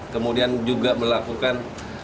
kemudian juga melakukan